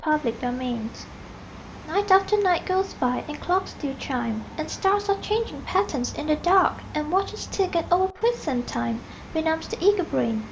_ TWO O'CLOCK Night after night goes by: and clocks still chime And stars are changing patterns in the dark, And watches tick, and over puissant Time Benumbs the eager brain.